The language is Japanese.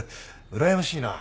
うらやましいな。